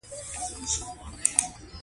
پیغمبر علیه السلام یهودي جنازې ته ودرېده.